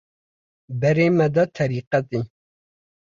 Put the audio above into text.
Berê me da terîqetê